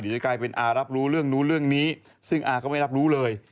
จะกลายเป็นอารับรู้เรื่องนู้นเรื่องนี้ซึ่งอาก็ไม่รับรู้เลย